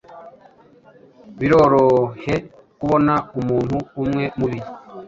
Birorohye kubona umuntu umwe mubi,